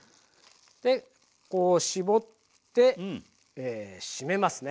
でこう絞って締めますね。